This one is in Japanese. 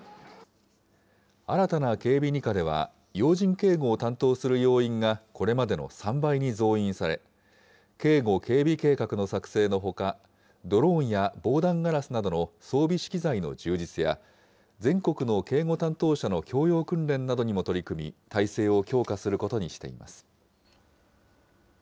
新たな警備２課では、要人警護を担当する要員がこれまでの３倍に増員され、警護・警備計画の作成のほか、ドローンや防弾ガラスなどの装備資機材の充実や、全国の警護担当者の教養訓練などにも取り組み、体制を強化することにしています。